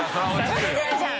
落ちてるじゃん！